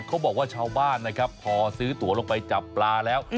ชาวบ้านนะครับพอซื้อตัวลงไปจับปลาแล้ว